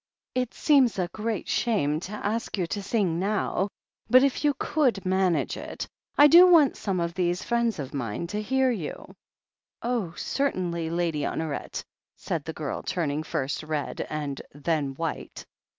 "It seems a great shame to ask you to sing now, but if you could manage it — I do want some of these friends of mine to hear you. ..." "Oh, certainly. Lady Honoret," said the girl, turning first red and then white.